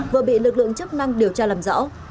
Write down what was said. vừa bị lực lượng chức năng điều tra làm rõ